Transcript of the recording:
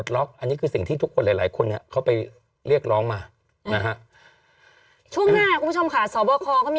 เรื่องนี้เป็นยังไง